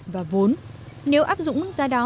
và vốn nếu áp dụng mức giá đó